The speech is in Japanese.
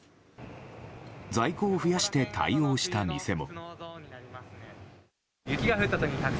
在庫を増やして対応した店も。